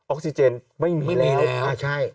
ออกซิเจนไม่มีแล้ว